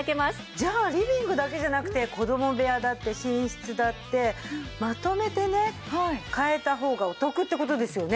じゃあリビングだけじゃなくて子供部屋だって寝室だってまとめてね替えた方がお得って事ですよね？